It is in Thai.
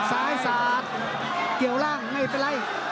ซ้ายสาดเกี่ยวล่างไม่เป็นไร